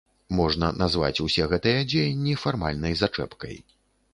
Можна называць усе гэтыя дзеянні фармальнай зачэпкай.